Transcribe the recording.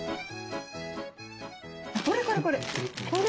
これこれこれ。